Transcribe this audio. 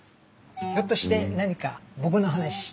ひょっとして何か僕の話してます？